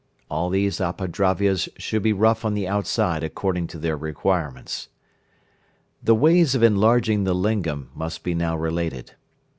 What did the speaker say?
All these Apadravyas should be rough on the outside according to their requirements. The ways of enlarging the lingam must be now related.